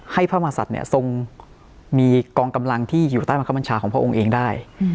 พระมหาศัตริย์เนี่ยทรงมีกองกำลังที่อยู่ใต้บังคับบัญชาของพระองค์เองได้